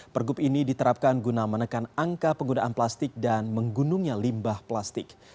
pergub ini diterapkan guna menekan angka penggunaan plastik dan menggunungnya limbah plastik